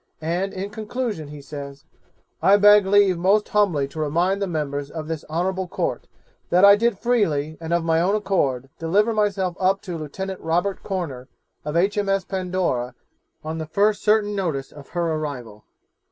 And, in conclusion, he says, 'I beg leave most humbly to remind the members of this honourable Court, that I did freely, and of my own accord, deliver myself up to Lieutenant Robert Corner, of H.M.S. Pandora, on the first certain notice of her arrival.'